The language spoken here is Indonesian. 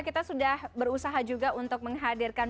kita sudah berusaha juga untuk menghadirkan